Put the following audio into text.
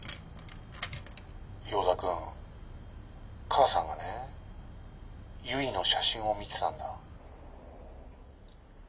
「ヨーダ君母さんがねゆいの写真を見てたんだ」。